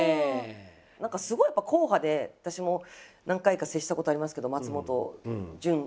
何かすごいやっぱ硬派で私も何回か接したことありますけど松本潤君は。